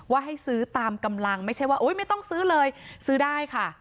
ให้ซื้อตามกำลังไม่ใช่ว่าไม่ต้องซื้อเลยซื้อได้ค่ะ